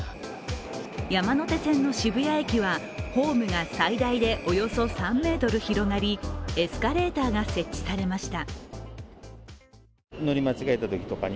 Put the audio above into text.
山手線の渋谷駅はホームが最大でおよそ３ｍ広がり、エスカレーターが設置されました。